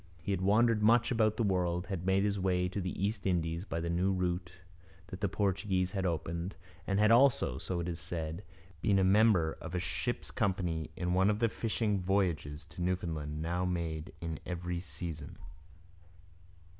He had wandered much about the world, had made his way to the East Indies by the new route that the Portuguese had opened, and had also, so it is said, been a member of a ship's company in one of the fishing voyages to Newfoundland now made in every season.